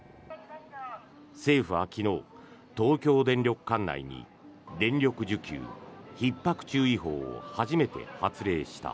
政府は昨日、東京電力管内に電力需給ひっ迫注意報を初めて発令した。